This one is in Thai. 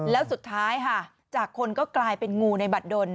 แล้วสุดท้ายค่ะจากคนก็กลายเป็นงูในบัตรดน